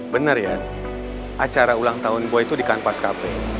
bener ian acara ulang tahun boy itu di kanvas cafe